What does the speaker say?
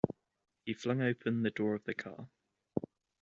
He flung open the door of the car.